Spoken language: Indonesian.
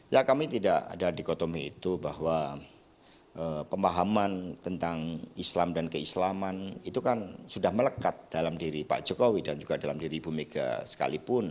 ya kami tidak ada dikotomi itu bahwa pemahaman tentang islam dan keislaman itu kan sudah melekat dalam diri pak jokowi dan juga dalam diri ibu mega sekalipun